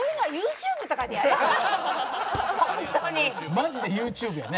マジでＹｏｕＴｕｂｅやね。